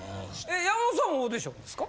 山本さんもオーディションですか？